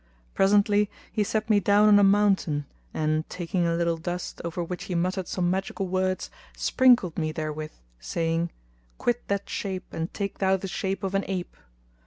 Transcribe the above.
Presently he set me down on a mountain, and taking a little dust, over which he muttered some magical words, sprinkled me therewith, saying, "Quit that shape and take thou the shape of an ape!"